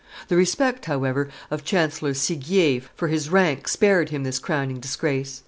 The respect, however, of Chancellor Seguier for his rank spared him this crowning disgrace.